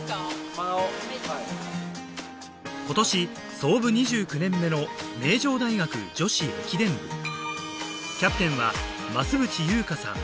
・真顔・今年創部２９年目の名城大学女子駅伝部キャプテンは増渕祐香さん